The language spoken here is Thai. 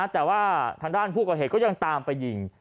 แต่ว่าทางด้านผู้ก่อเหตุก็ยังตามไปยิง